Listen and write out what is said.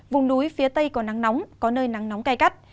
vùng núi phía tây có nắng nóng có nơi nắng nóng cay cắt